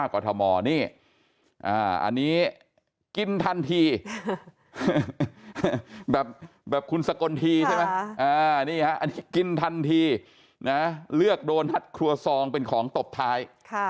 กินทันทีเลือกโดนทัดคลัวทรองเป็นของตบทาย